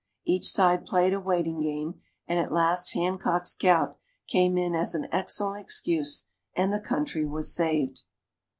Each side played a waiting game, and at last Hancock's gout came in as an excellent excuse and the country was saved.